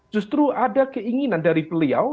justru ada keinginan dari beliau